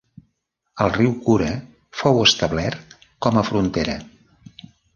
El riu Kura fou establert com a frontera.